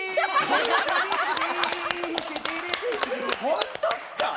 本当っすか？